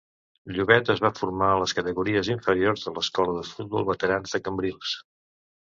Llobet es va formar a les categories inferiors de l'Escola de Futbol Veterans de Cambrils.